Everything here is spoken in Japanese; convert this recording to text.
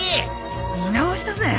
見直したぜ。